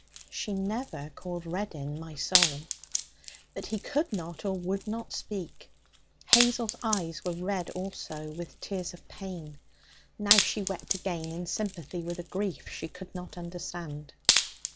She never called Reddin 'my soul.' But he could not or would not speak. Hazel's eyes were red also, with tears of pain. Now she wept again in sympathy with a grief she could not understand.